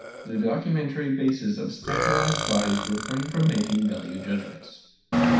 The documentary bases of specialized bodies refrain from making value judgments.